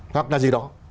hoặc là gì đó